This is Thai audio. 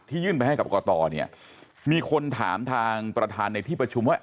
ยื่นไปให้กับกตเนี่ยมีคนถามทางประธานในที่ประชุมว่า